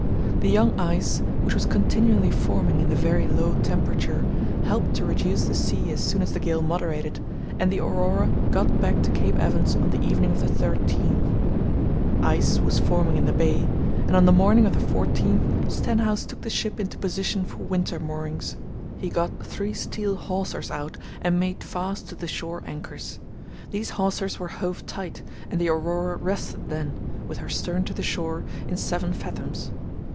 The young ice, which was continually forming in the very low temperature, helped to reduce the sea as soon as the gale moderated, and the Aurora got back to Cape Evans on the evening of the 13th. Ice was forming in the bay, and on the morning of the 14th Stenhouse took the ship into position for winter moorings. He got three steel hawsers out and made fast to the shore anchors. These hawsers were hove tight, and the Aurora rested then, with her stern to the shore, in seven fathoms.